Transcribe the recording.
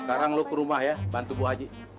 sekarang lo ke rumah ya bantu bu haji